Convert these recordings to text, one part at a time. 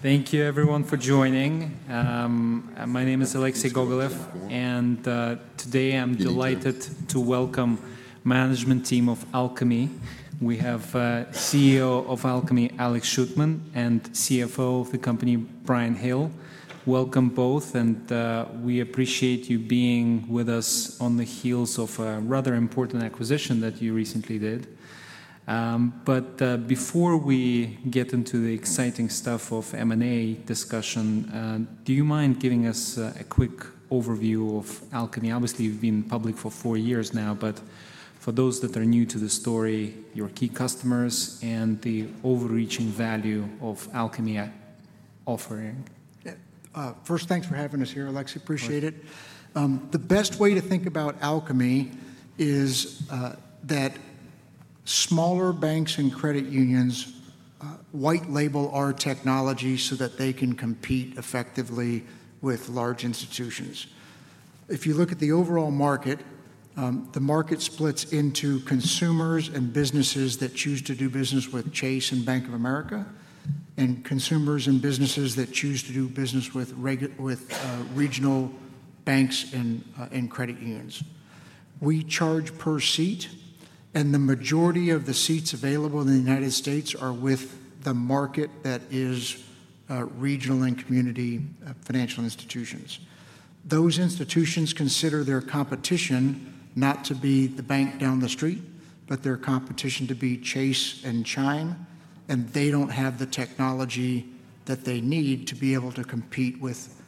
Thank you, everyone, for joining. My name is Alexei Gogolev, and today I'm delighted to welcome the management team of Alkami. We have CEO of Alkami Alex Shootman and CFO of the company, Bryan Hill. Welcome both, and we appreciate you being with us on the heels of a rather important acquisition that you recently did. Before we get into the exciting stuff of M&A discussion, do you mind giving us a quick overview of Alkami? Obviously, you've been public for 4 years now, but for those that are new to the story, your key customers, and the overreaching value of Alkami offering. First, thanks for having us here, Alexei. Appreciate it. The best way to think about Alkami is that smaller banks and credit unions white-label our technology so that they can compete effectively with large institutions. If you look at the overall market, the market splits into consumers and businesses that choose to do business with Chase and Bank of America, and consumers and businesses that choose to do business with regional banks and credit unions. We charge per seat, and the majority of the seats available in the United States are with the market that is regional and community financial institutions. Those institutions consider their competition not to be the bank down the street, but their competition to be Chase and Chime, and they don't have the technology that they need to be able to compete with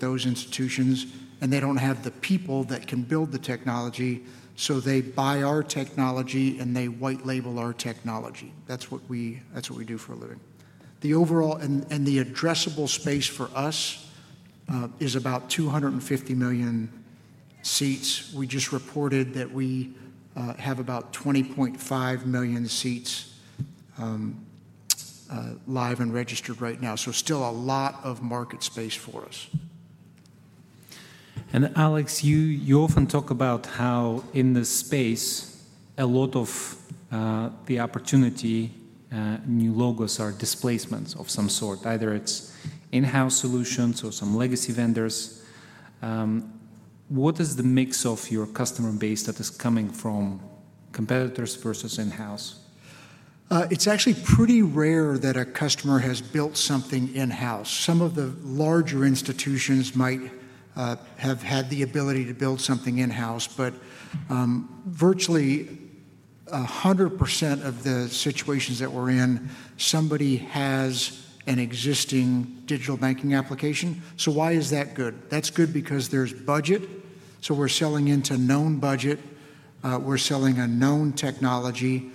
those institutions, and they don't have the people that can build the technology, so they buy our technology and they white-label our technology. That's what we do for a living. The overall and the addressable space for us is about 250 million seats. We just reported that we have about 20.5 million seats live and registered right now, so still a lot of market space for us. Alex, you often talk about how in this space a lot of the opportunity, new logos are displacements of some sort, either it's in-house solutions or some legacy vendors. What is the mix of your customer base that is coming from competitors versus in-house? It's actually pretty rare that a customer has built something in-house. Some of the larger institutions might have had the ability to build something in-house, but virtually 100% of the situations that we're in, somebody has an existing digital banking application. Why is that good? That's good because there's budget, so we're selling into known budget, we're selling a known technology,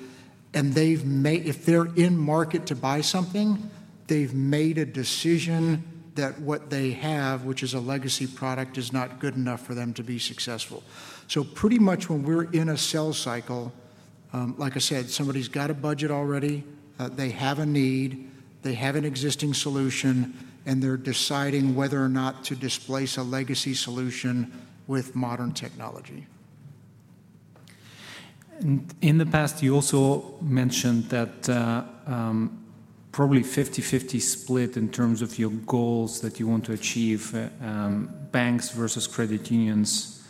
and if they're in market to buy something, they've made a decision that what they have, which is a legacy product, is not good enough for them to be successful. Pretty much when we're in a sell cycle, like I said, somebody's got a budget already, they have a need, they have an existing solution, and they're deciding whether or not to displace a legacy solution with modern technology. In the past, you also mentioned that probably a 50/50 split in terms of your goals that you want to achieve, banks versus credit unions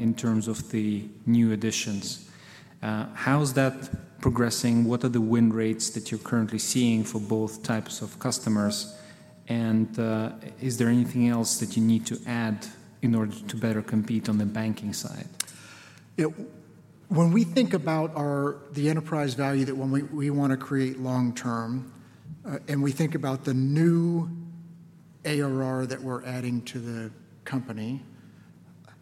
in terms of the new additions. How's that progressing? What are the win rates that you're currently seeing for both types of customers, and is there anything else that you need to add in order to better compete on the banking side? When we think about the enterprise value that we want to create long-term, and we think about the new ARR that we're adding to the company,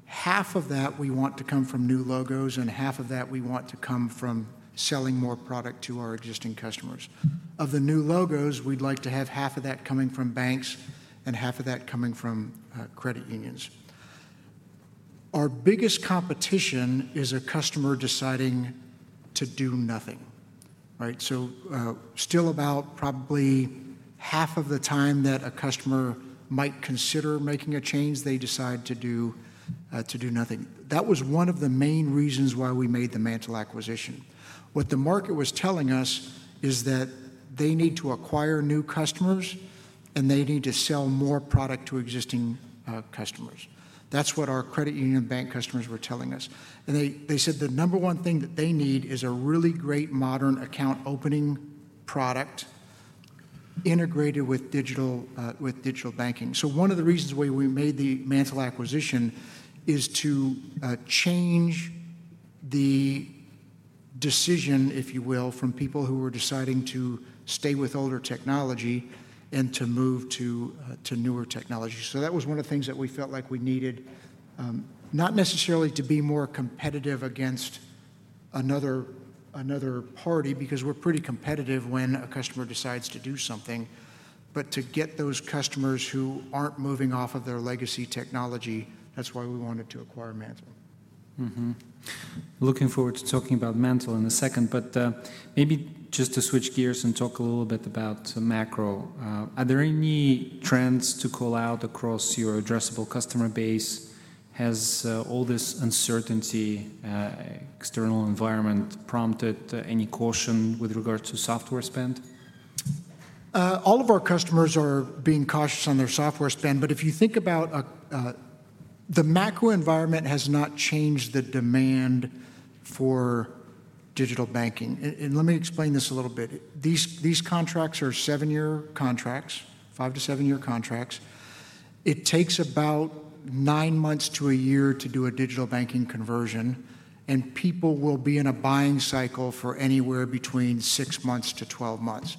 half of that we want to come from new logos, and half of that we want to come from selling more product to our existing customers. Of the new logos, we'd like to have half of that coming from banks and half of that coming from credit unions. Our biggest competition is a customer deciding to do nothing. Still about probably half of the time that a customer might consider making a change, they decide to do nothing. That was one of the main reasons why we made the Mantle acquisition. What the market was telling us is that they need to acquire new customers and they need to sell more product to existing customers. That's what our credit union bank customers were telling us. They said the number 1 thing that they need is a really great modern account opening product integrated with digital banking. One of the reasons why we made the Mantle acquisition is to change the decision, if you will, from people who were deciding to stay with older technology and to move to newer technology. That was one of the things that we felt like we needed, not necessarily to be more competitive against another party because we're pretty competitive when a customer decides to do something, but to get those customers who aren't moving off of their legacy technology, that's why we wanted to acquire Mantle. Looking forward to talking about Mantle in a second, but maybe just to switch gears and talk a little bit about macro, are there any trends to call out across your addressable customer base? Has all this uncertainty, external environment prompted any caution with regards to software spend? All of our customers are being cautious on their software spend, but if you think about the macro environment, it has not changed the demand for digital banking. Let me explain this a little bit. These contracts are 7 year contracts, 5 to 7 year contracts. It takes about 9 months to a year to do a digital banking conversion, and people will be in a buying cycle for anywhere between 6 months to 12 months.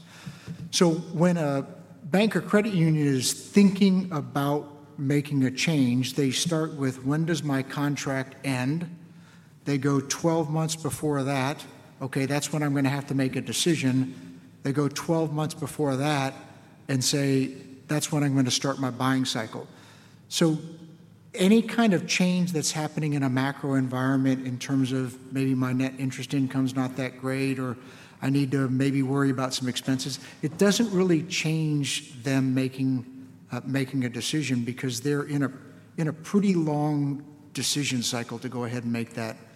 When a bank or credit union is thinking about making a change, they start with, "When does my contract end?" They go twelve months before that, "Okay, that's when I'm going to have to make a decision." They go twelve months before that and say, "That's when I'm going to start my buying cycle." Any kind of change that's happening in a macro environment in terms of maybe my net interest income is not that great or I need to maybe worry about some expenses, it does not really change them making a decision because they are in a pretty long decision cycle to go ahead and make that decision.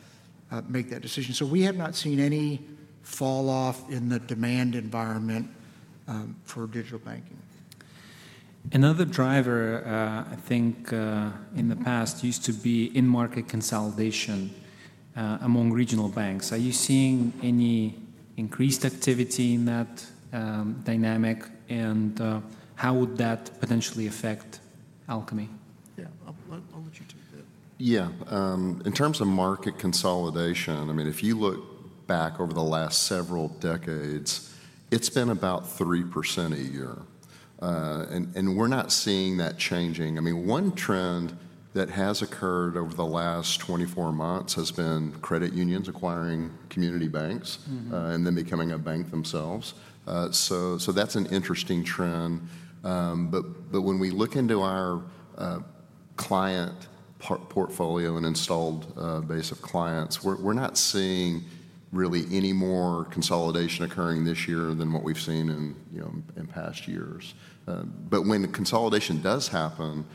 We have not seen any falloff in the demand environment for digital banking. Another driver, I think in the past, used to be in-market consolidation among regional banks. Are you seeing any increased activity in that dynamic, and how would that potentially affect Alkami? Yeah, I'll let you take that. Yeah. In terms of market consolidation, I mean, if you look back over the last several decades, it's been about 3% a year, and we're not seeing that changing. I mean, one trend that has occurred over the last 24 months has been credit unions acquiring community banks and then becoming a bank themselves. So that's an interesting trend. When we look into our client portfolio and installed base of clients, we're not seeing really any more consolidation occurring this year than what we've seen in past years. When consolidation does happen,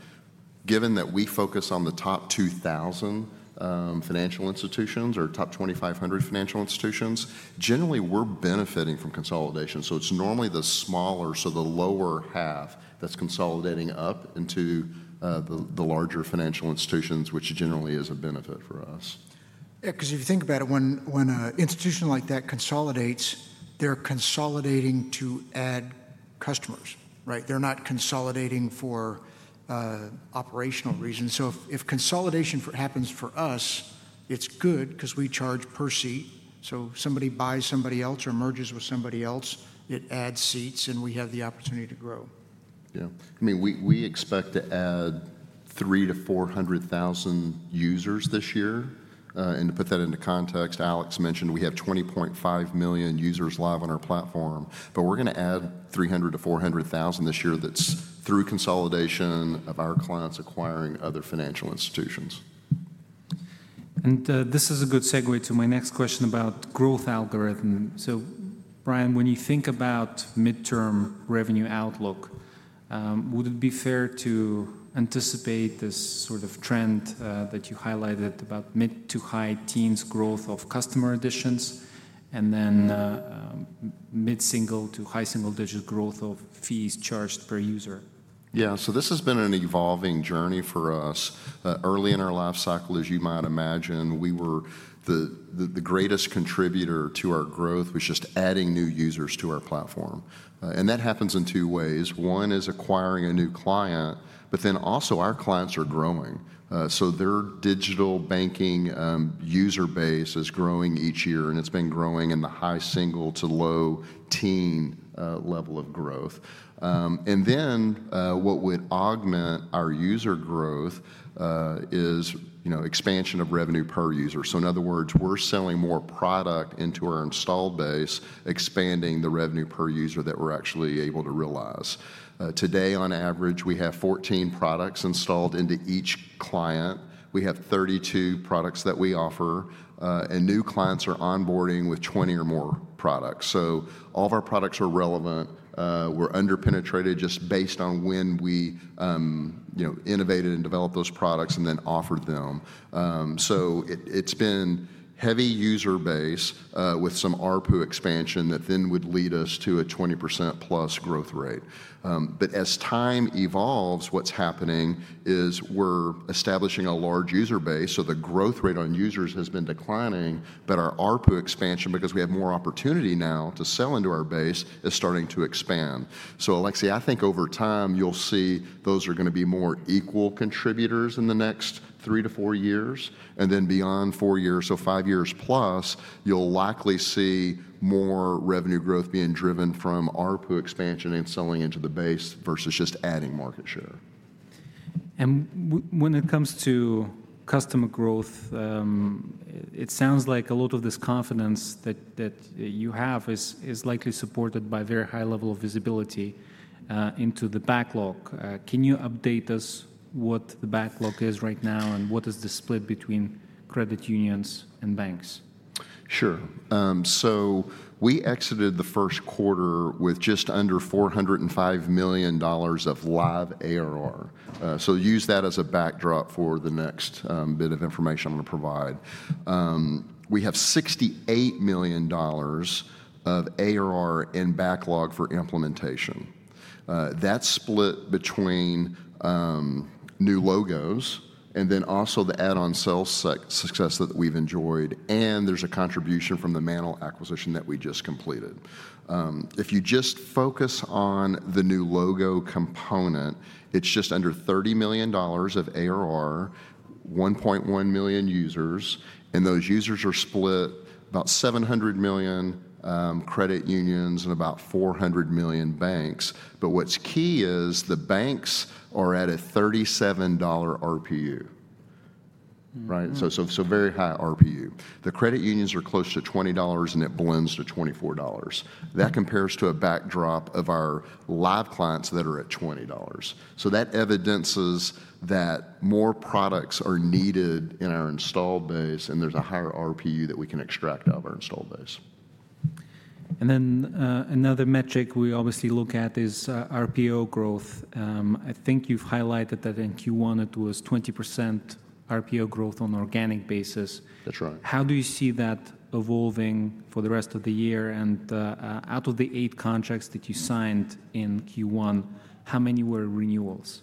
given that we focus on the top 2,000 financial institutions or top 2,500 financial institutions, generally we're benefiting from consolidation. It's normally the smaller, so the lower half that's consolidating up into the larger financial institutions, which generally is a benefit for us. Yeah, because if you think about it, when an institution like that consolidates, they're consolidating to add customers. They're not consolidating for operational reasons. If consolidation happens for us, it's good because we charge per seat. Somebody buys somebody else or merges with somebody else, it adds seats, and we have the opportunity to grow. Yeah. I mean, we expect to add 300,000-400,000 users this year. And to put that into context, Alex mentioned we have 20.5 million users live on our platform, but we're going to add 300,000-400,000 this year that's through consolidation of our clients acquiring other financial institutions. This is a good segue to my next question about growth algorithm. Bryan, when you think about midterm revenue outlook, would it be fair to anticipate this sort of trend that you highlighted about mid to high teens growth of customer additions and then mid single to high single digit growth of fees charged per user? Yeah. This has been an evolving journey for us. Early in our life cycle, as you might imagine, we were the greatest contributor to our growth, which is just adding new users to our platform. That happens in 2 ways. One is acquiring a new client, but then also our clients are growing. Their digital banking user base is growing each year, and it has been growing in the high single to low teen level of growth. What would augment our user growth is expansion of revenue per user. In other words, we are selling more product into our installed base, expanding the revenue per user that we are actually able to realize. Today, on average, we have 14 products installed into each client. We have 32 products that we offer, and new clients are onboarding with 20 or more products. All of our products are relevant. We're under-penetrated just based on when we innovated and developed those products and then offered them. It's been heavy user base with some ARPU expansion that then would lead us to a 20%+ growth rate. As time evolves, what's happening is we're establishing a large user base, so the growth rate on users has been declining, but our ARPU expansion, because we have more opportunity now to sell into our base, is starting to expand. Alexei, I think over time you'll see those are going to be more equal contributors in the next 3 to 4 years, and then beyond 4 years, so 5 years plus, you'll likely see more revenue growth being driven from ARPU expansion and selling into the base versus just adding market share. When it comes to customer growth, it sounds like a lot of this confidence that you have is likely supported by very high level of visibility into the backlog. Can you update us what the backlog is right now and what is the split between credit unions and banks? Sure. We exited the first quarter with just under $405 million of live ARR. Use that as a backdrop for the next bit of information I'm going to provide. We have $68 million of ARR in backlog for implementation. That's split between new logos and then also the add-on sell success that we've enjoyed, and there's a contribution from the Mantle acquisition that we just completed. If you just focus on the new logo component, it's just under $30 million of ARR, 1.1 million users, and those users are split about 700,000 credit unions and about 400,000 banks. What's key is the banks are at a $37 RPU, so very high RPU. The credit unions are close to $20, and it blends to $24. That compares to a backdrop of our live clients that are at $20. That evidences that more products are needed in our installed base, and there's a higher RPU that we can extract out of our installed base. Another metric we obviously look at is RPO growth. I think you've highlighted that in Q1 it was 20% RPO growth on an organic basis. That's right. How do you see that evolving for the rest of the year? Out of the 8 contracts that you signed in Q1, how many were renewals?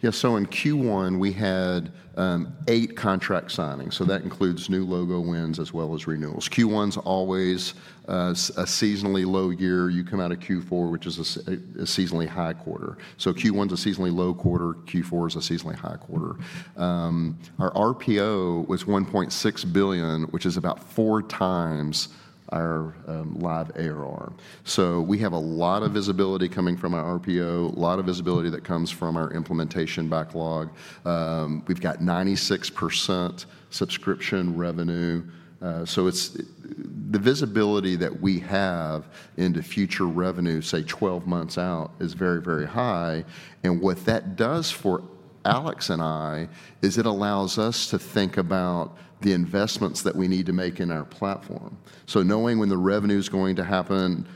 Yeah, so in Q1 we had 8 contract signings, so that includes new logo wins as well as renewals. Q1 is always a seasonally low year. You come out of Q4, which is a seasonally high quarter. Q1 is a seasonally low quarter. Q4 is a seasonally high quarter. Our RPO was $1.6 billion, which is about 4 times our live ARR. We have a lot of visibility coming from our RPO, a lot of visibility that comes from our implementation backlog. We've got 96% subscription revenue. The visibility that we have into future revenue, say 12 months out, is very, very high. What that does for Alex and I is it allows us to think about the investments that we need to make in our platform. Knowing when the revenue is going to happen,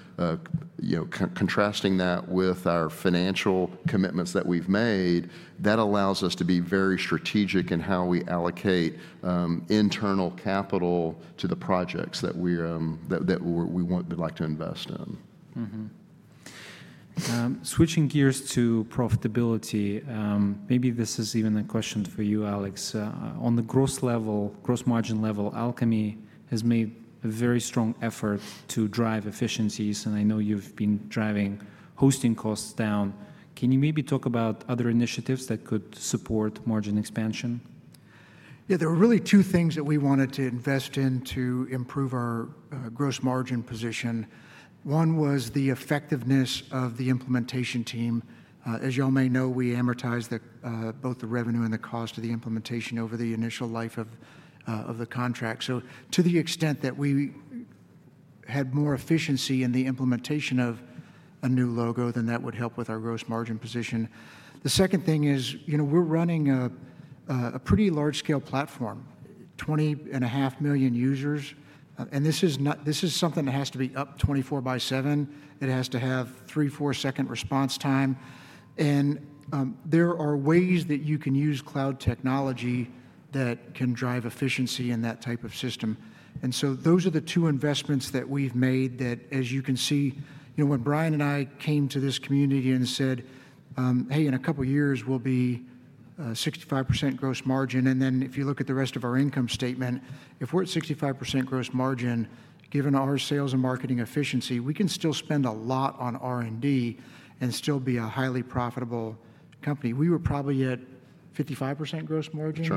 contrasting that with our financial commitments that we've made, that allows us to be very strategic in how we allocate internal capital to the projects that we would like to invest in. Switching gears to profitability, maybe this is even a question for you, Alex. On the gross level, gross margin level, Alkami has made a very strong effort to drive efficiencies, and I know you've been driving hosting costs down. Can you maybe talk about other initiatives that could support margin expansion? Yeah, there were really 2 things that we wanted to invest in to improve our gross margin position. One was the effectiveness of the implementation team. As y'all may know, we amortized both the revenue and the cost of the implementation over the initial life of the contract. To the extent that we had more efficiency in the implementation of a new logo, then that would help with our gross margin position. The second thing is we're running a pretty large-scale platform, 20.5 million users, and this is something that has to be up 24 by 7. It has to have 3, 4-second response time. There are ways that you can use cloud technology that can drive efficiency in that type of system. Those are the 2 investments that we've made that, as you can see, when Bryan and I came to this community and said, "Hey, in a couple of years, we'll be 65% gross margin," and then if you look at the rest of our income statement, if we're at 65% gross margin, given our sales and marketing efficiency, we can still spend a lot on R&D and still be a highly profitable company. We were probably at 55% gross margin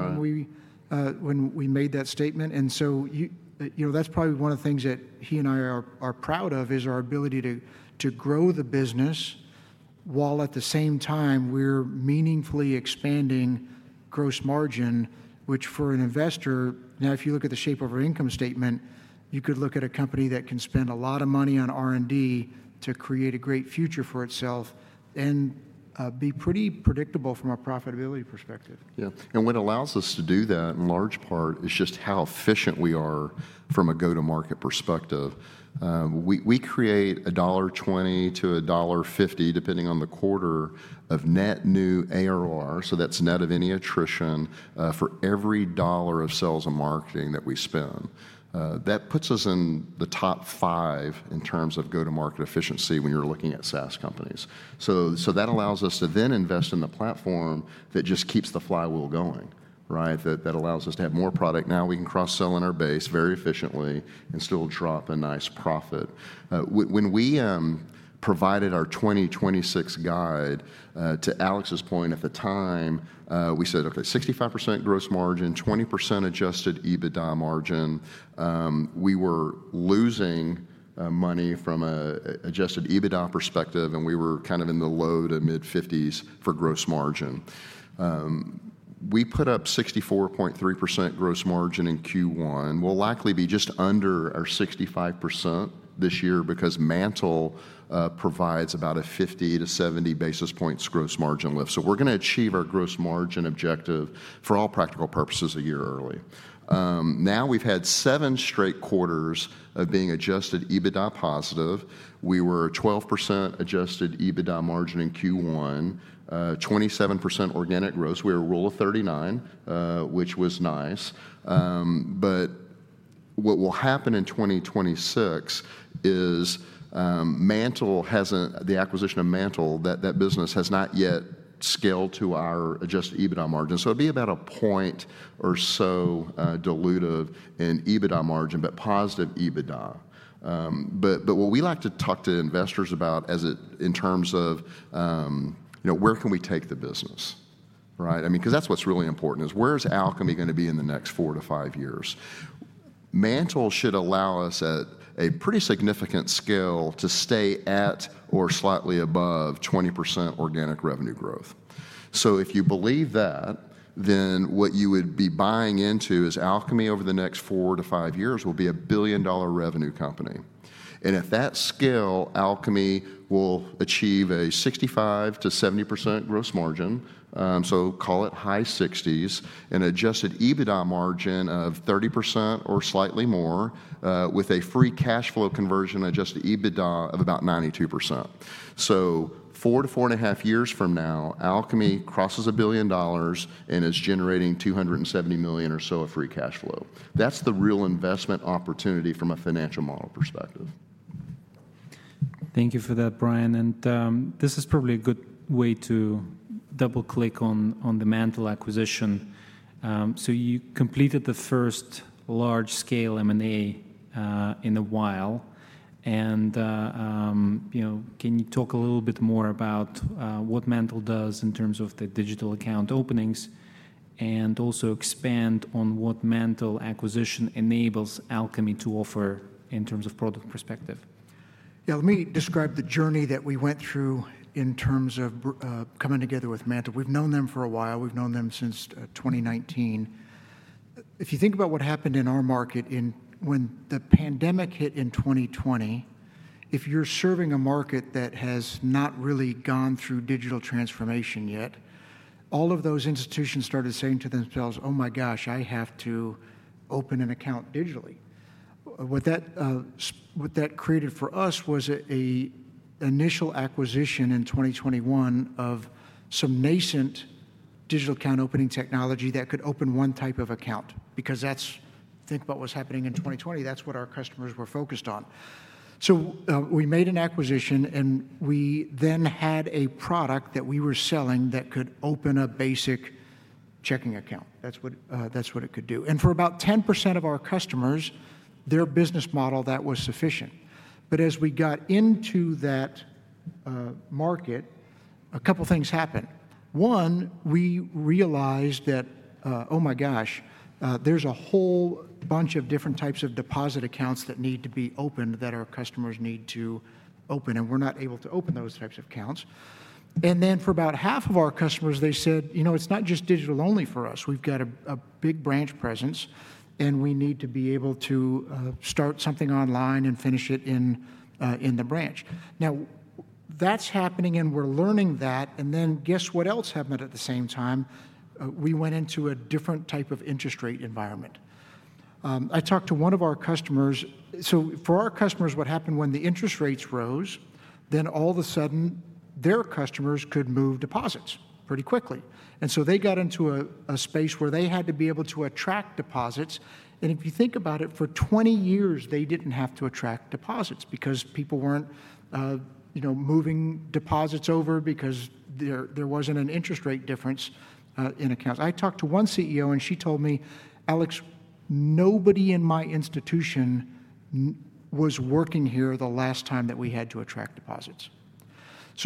when we made that statement. That is probably one of the things that he and I are proud of is our ability to grow the business while at the same time we are meaningfully expanding gross margin, which for an investor, now if you look at the shape of our income statement, you could look at a company that can spend a lot of money on R&D to create a great future for itself and be pretty predictable from a profitability perspective. Yeah. What allows us to do that in large part is just how efficient we are from a go-to-market perspective. We create $1.20-$1.50, depending on the quarter, of net new ARR, so that's net of any attrition, for every dollar of sales and marketing that we spend. That puts us in the top 5 in terms of go-to-market efficiency when you're looking at SaaS companies. That allows us to then invest in the platform that just keeps the flywheel going, that allows us to have more product. Now we can cross-sell in our base very efficiently and still drop a nice profit. When we provided our 2026 guide, to Alex's point, at the time, we said, "Okay, 65% gross margin, 20% Adjusted EBITDA margin." We were losing money from an Adjusted EBITDA perspective, and we were kind of in the low to mid-50s for gross margin. We put up 64.3% gross margin in Q1. We'll likely be just under our 65% this year because Mantle provides about a 50-70 basis points gross margin lift. We're going to achieve our gross margin objective for all practical purposes a year early. Now we've had 7 straight quarters of being Adjusted EBITDA positive. We were 12% Adjusted EBITDA margin in Q1, 27% organic growth. We were a rule of 39, which was nice. What will happen in 2026 is the acquisition of Mantle, that business has not yet scaled to our Adjusted EBITDA margin. It would be about a point or so dilutive in EBITDA margin, but positive EBITDA. What we like to talk to investors about in terms of where can we take the business? I mean, because that's what's really important is where is Alkami going to be in the next 4 to 5 years? Mantle should allow us at a pretty significant scale to stay at or slightly above 20% organic revenue growth. If you believe that, then what you would be buying into is Alkami over the next 4 to 5 years will be a billion-dollar revenue company. At that scale, Alkami will achieve a 65%-70% gross margin, so call it high 60s, and Adjusted EBITDA margin of 30% or slightly more with a free cash flow conversion Adjusted EBITDA of about 92%.4 to 4 and a half years from now, Alkami crosses a billion dollars and is generating $270 million or so of free cash flow. That's the real investment opportunity from a financial model perspective. Thank you for that, Bryan. This is probably a good way to double-click on the Mantle acquisition. You completed the first large-scale M&A in a while. Can you talk a little bit more about what Mantle does in terms of the digital account openings and also expand on what the Mantle acquisition enables Alkami to offer in terms of product perspective? Yeah, let me describe the journey that we went through in terms of coming together with Mantle. We've known them for a while. We've known them since 2019. If you think about what happened in our market when the pandemic hit in 2020, if you're serving a market that has not really gone through digital transformation yet, all of those institutions started saying to themselves, "Oh my gosh, I have to open an account digitally." What that created for us was an initial acquisition in 2021 of some nascent digital account opening technology that could open one type of account because think about what's happening in 2020. That's what our customers were focused on. We made an acquisition, and we then had a product that we were selling that could open a basic checking account. That's what it could do. For about 10% of our customers, their business model, that was sufficient. As we got into that market, a couple of things happened. One, we realized that, "Oh my gosh, there's a whole bunch of different types of deposit accounts that need to be opened that our customers need to open," and we're not able to open those types of accounts. For about half of our customers, they said, "You know, it's not just digital only for us. We've got a big branch presence, and we need to be able to start something online and finish it in the branch." That is happening, and we're learning that. Guess what else happened at the same time? We went into a different type of interest rate environment. I talked to one of our customers. For our customers, what happened when the interest rates rose, then all of a sudden, their customers could move deposits pretty quickly. They got into a space where they had to be able to attract deposits. If you think about it, for 20 years, they did not have to attract deposits because people were not moving deposits over because there was not an interest rate difference in accounts. I talked to one CEO, and she told me, "Alex, nobody in my institution was working here the last time that we had to attract deposits."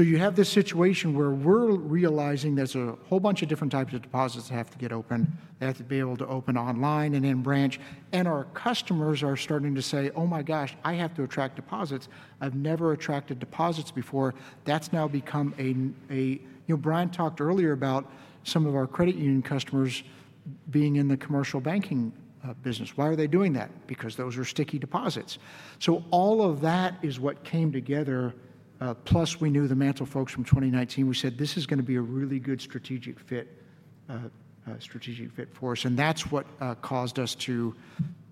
You have this situation where we are realizing there is a whole bunch of different types of deposits that have to get open. They have to be able to open online and in branch. Our customers are starting to say, "Oh my gosh, I have to attract deposits. I've never attracted deposits before." That has now become a—Bryan talked earlier about some of our credit union customers being in the commercial banking business. Why are they doing that? Because those are sticky deposits. All of that is what came together. Plus, we knew the Mantle folks from 2019. We said, "This is going to be a really good strategic fit for us." That is what caused us to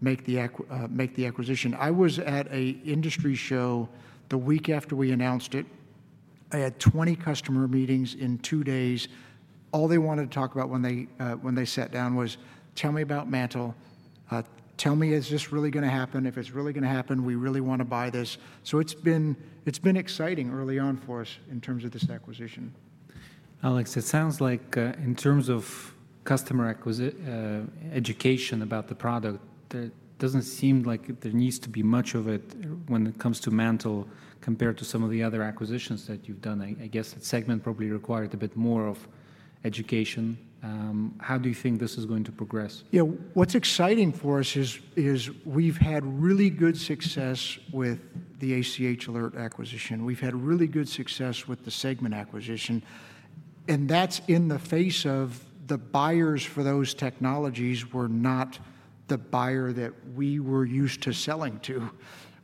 make the acquisition. I was at an industry show the week after we announced it. I had 20 customer meetings in 2 days. All they wanted to talk about when they sat down was, "Tell me about Mantle. Tell me, is this really going to happen? If it's really going to happen, we really want to buy this." It has been exciting early on for us in terms of this acquisition. Alex, it sounds like in terms of customer education about the product, it doesn't seem like there needs to be much of it when it comes to Mantle compared to some of the other acquisitions that you've done. I guess that Segmint probably required a bit more of education. How do you think this is going to progress? Yeah, what's exciting for us is we've had really good success with the ACH Alert acquisition. We've had really good success with the Segmint acquisition. And that's in the face of the buyers for those technologies were not the buyer that we were used to selling to.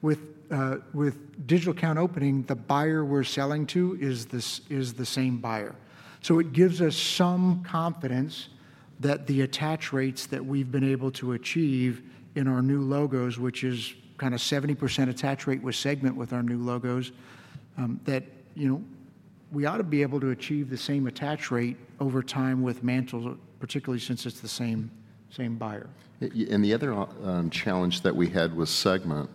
With digital account opening, the buyer we're selling to is the same buyer. It gives us some confidence that the attach rates that we've been able to achieve in our new logos, which is kind of 70% attach rate with Segmint with our new logos, that we ought to be able to achieve the same attach rate over time with Mantle, particularly since it's the same buyer. The other challenge that we had with Segmint,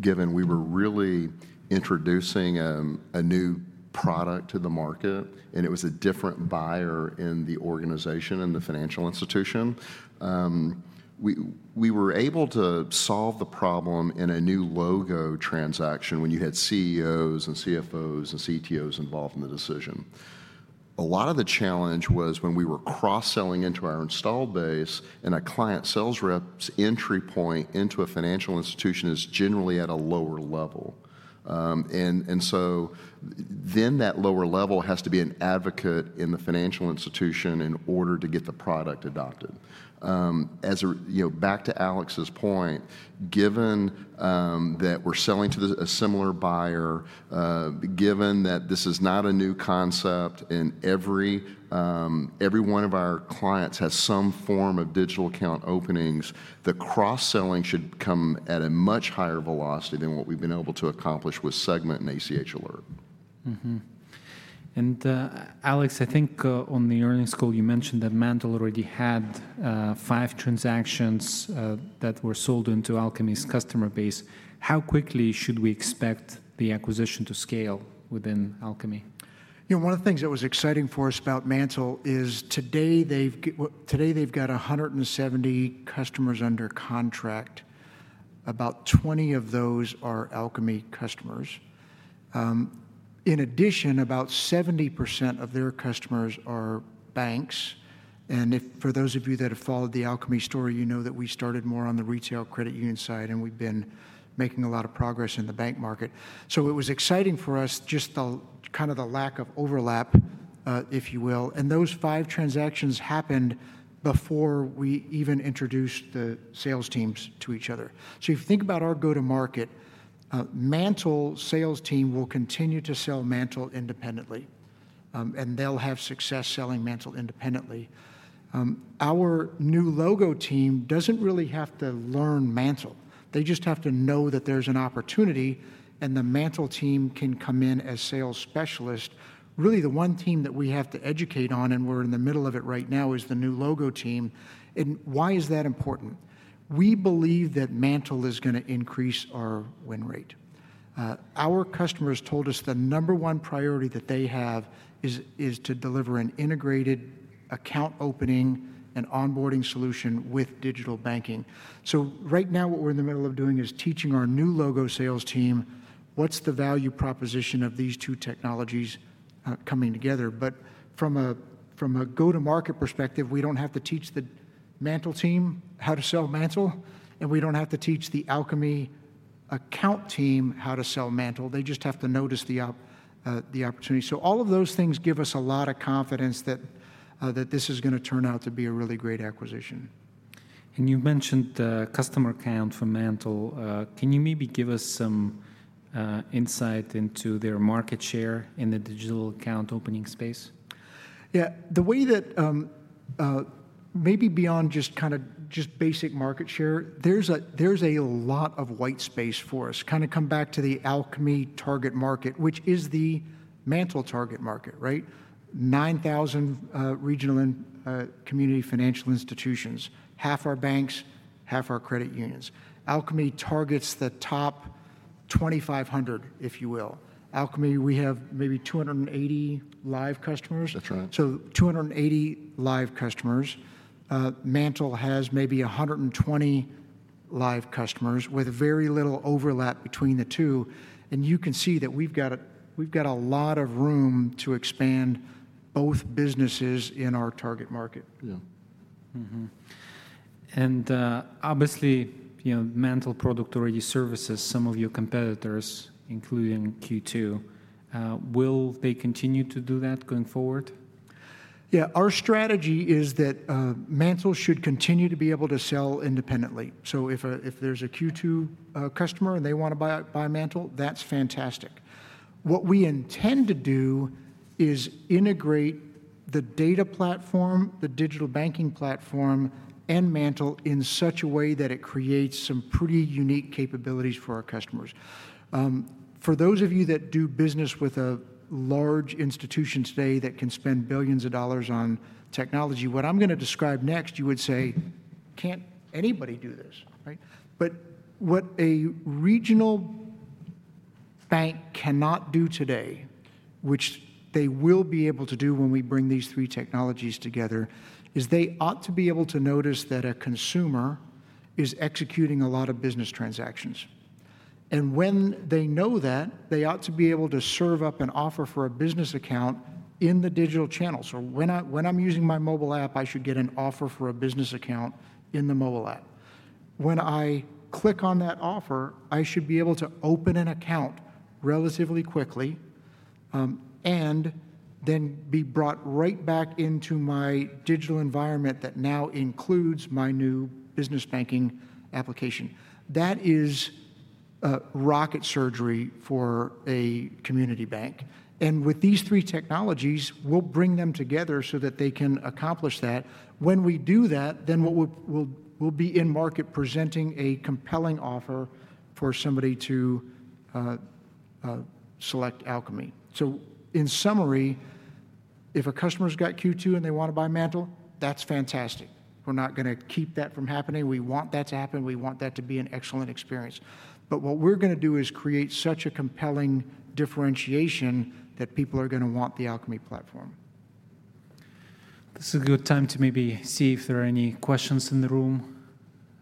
given we were really introducing a new product to the market, and it was a different buyer in the organization and the financial institution, we were able to solve the problem in a new logo transaction when you had CEOs and CFOs and CTOs involved in the decision. A lot of the challenge was when we were cross-selling into our installed base and a client sales rep's entry point into a financial institution is generally at a lower level. That lower level has to be an advocate in the financial institution in order to get the product adopted. Back to Alex's point, given that we're selling to a similar buyer, given that this is not a new concept and every one of our clients has some form of digital account openings, the cross-selling should come at a much higher velocity than what we've been able to accomplish with Segmint and ACH Alert. Alex, I think on the earnings call, you mentioned that Mantle already had 5 transactions that were sold into Alkami's customer base. How quickly should we expect the acquisition to scale within Alkami? One of the things that was exciting for us about Mantle is today they've got 170 customers under contract. About 20 of those are Alkami customers. In addition, about 70% of their customers are banks. For those of you that have followed the Alkami story, you know that we started more on the retail credit union side, and we've been making a lot of progress in the bank market. It was exciting for us, just kind of the lack of overlap, if you will. Those 5 transactions happened before we even introduced the sales teams to each other. If you think about our go-to-market, Mantle sales team will continue to sell Mantle independently, and they'll have success selling Mantle independently. Our new logo team doesn't really have to learn Mantle. They just have to know that there's an opportunity, and the Mantle team can come in as sales specialist. Really, the 1 team that we have to educate on, and we're in the middle of it right now, is the new logo team. Why is that important? We believe that Mantle is going to increase our win rate. Our customers told us the number 1 priority that they have is to deliver an integrated account opening and onboarding solution with digital banking. Right now, what we're in the middle of doing is teaching our new logo sales team what's the value proposition of these 2 technologies coming together. From a go-to-market perspective, we don't have to teach the Mantle team how to sell Mantle, and we don't have to teach the Alkami account team how to sell Mantle. They just have to notice the opportunity. All of those things give us a lot of confidence that this is going to turn out to be a really great acquisition. You mentioned the customer account for Mantle. Can you maybe give us some insight into their market share in the digital account opening space? Yeah, the way that maybe beyond just kind of just basic market share, there's a lot of white space for us. Kind of come back to the Alkami target market, which is the Mantle target market, right? 9,000 regional and community financial institutions, half are banks, half are credit unions. Alkami targets the top 2,500, if you will. Alkami, we have maybe 280 live customers. That's right. 280 live customers. Mantle has maybe 120 live customers with very little overlap between the 2. You can see that we've got a lot of room to expand both businesses in our target market. Mantle product already services some of your competitors, including Q2. Will they continue to do that going forward? Yeah, our strategy is that Mantle should continue to be able to sell independently. If there's a Q2 customer and they want to buy Mantle, that's fantastic. What we intend to do is integrate the data platform, the digital banking platform, and Mantle in such a way that it creates some pretty unique capabilities for our customers. For those of you that do business with a large institution today that can spend billions of dollars on technology, what I'm going to describe next, you would say, "Can't anybody do this?" What a regional bank cannot do today, which they will be able to do when we bring these 3 technologies together, is they ought to be able to notice that a consumer is executing a lot of business transactions. When they know that, they ought to be able to serve up an offer for a business account in the digital channel. When I'm using my mobile app, I should get an offer for a business account in the mobile app. When I click on that offer, I should be able to open an account relatively quickly and then be brought right back into my digital environment that now includes my new business banking application. That is rocket surgery for a community bank. With these 3 technologies, we'll bring them together so that they can accomplish that. When we do that, we'll be in market presenting a compelling offer for somebody to select Alkami. In summary, if a customer's got Q2 and they want to buy Mantle, that's fantastic. We're not going to keep that from happening. We want that to happen. We want that to be an excellent experience. What we're going to do is create such a compelling differentiation that people are going to want the Alkami platform. This is a good time to maybe see if there are any questions in the room.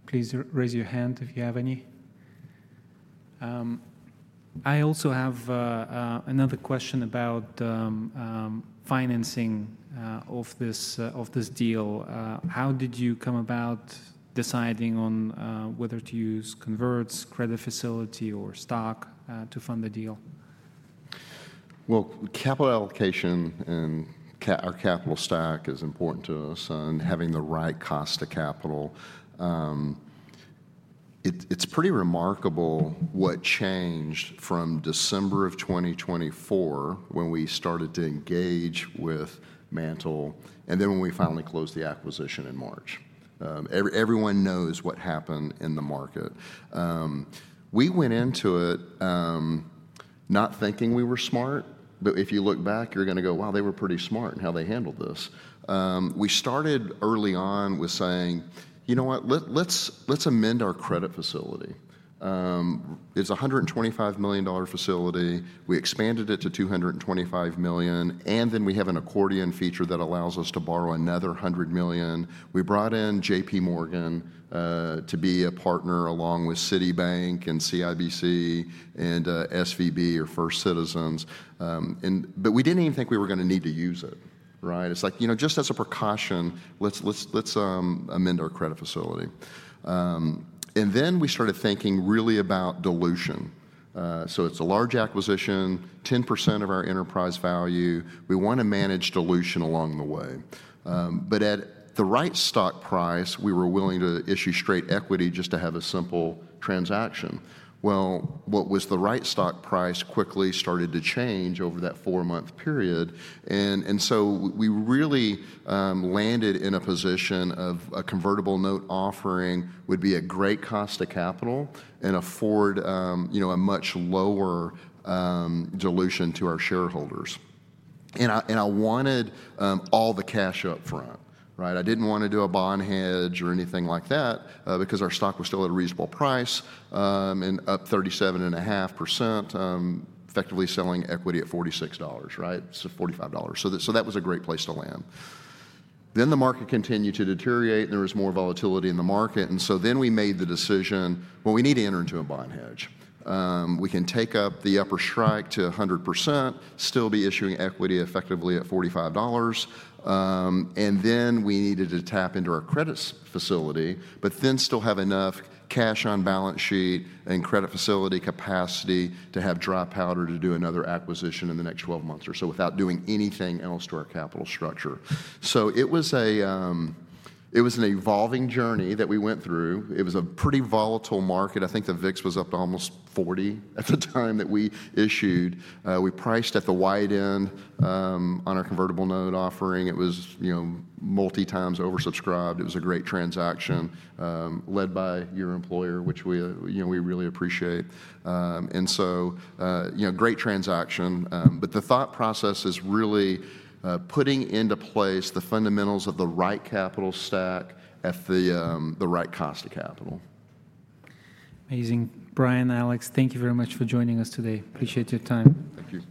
Please raise your hand if you have any. I also have another question about financing of this deal. How did you come about deciding on whether to use converts, credit facility, or stock to fund the deal? Capital allocation and our capital stack is important to us and having the right cost of capital. It's pretty remarkable what changed from December 2024 when we started to engage with Mantle and then when we finally closed the acquisition in March. Everyone knows what happened in the market. We went into it not thinking we were smart, but if you look back, you're going to go, "Wow, they were pretty smart in how they handled this." We started early on with saying, "You know what? Let's amend our credit facility. It's a $125 million facility. We expanded it to $225 million, and then we have an accordion feature that allows us to borrow another $100 million." We brought in JPMorgan to be a partner along with Citibank and CIBC and SVB or First Citizens. We did not even think we were going to need to use it, right? It is like, "Just as a precaution, let's amend our credit facility." Then we started thinking really about dilution. It is a large acquisition, 10% of our enterprise value. We want to manage dilution along the way. At the right stock price, we were willing to issue straight equity just to have a simple transaction. What was the right stock price quickly started to change over that 4 month period. We really landed in a position of a convertible note offering being a great cost of capital and affording a much lower dilution to our shareholders. I wanted all the cash upfront, right? I didn't want to do a bond hedge or anything like that because our stock was still at a reasonable price and up 37.5%, effectively selling equity at $46, right? So $45. That was a great place to land. The market continued to deteriorate, and there was more volatility in the market. We made the decision, "Well, we need to enter into a bond hedge. We can take up the upper strike to 100%, still be issuing equity effectively at $45." We needed to tap into our credit facility, but still have enough cash on balance sheet and credit facility capacity to have dry powder to do another acquisition in the next 12 months or so without doing anything else to our capital structure. It was an evolving journey that we went through. It was a pretty volatile market. I think the VIX was up to almost 40 at the time that we issued. We priced at the wide end on our convertible note offering. It was multi-times oversubscribed. It was a great transaction led by your employer, which we really appreciate. It was a great transaction. The thought process is really putting into place the fundamentals of the right capital stack at the right cost of capital. Amazing. Bryan, Alex, thank you very much for joining us today. Appreciate your time. Thank you.